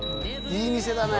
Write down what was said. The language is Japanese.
いい店だね